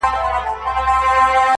ستا د زهرې پلوشې وتخنوم؛